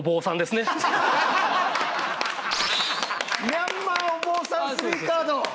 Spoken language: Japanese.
「ミャンマーお坊さん３カード」？